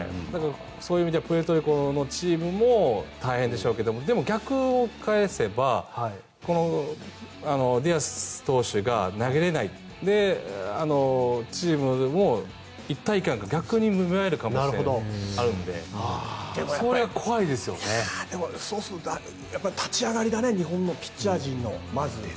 そういう意味ではプエルトリコのチームも大変でしょうけどでも逆を返せばこのディアス投手が投げれないチームも一体感が逆に芽生えるかもしれないというのがあるのでそうすると、やっぱり立ち上がりだね日本のピッチャー陣の、まず。